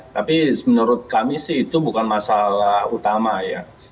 tapi menurut kami sih itu bukan masalah utama ya